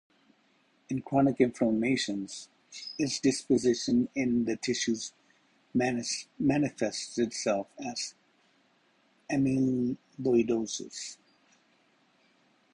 In chronic inflammations, its deposition in the tissues manifests itself as amyloidosis.